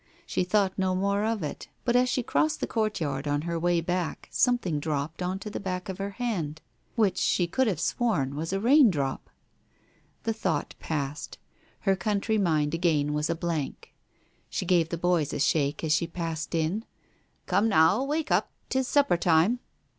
She thought no more of it, but as she crossed the courtyard on her way back something dropped on to the back of her hand which she could have sworn was a rain drop. ...! The thought passed. Her country mind again was a blank. She gave the boys a shake as she passed in. "Come now, wake up ! 'Tis supper time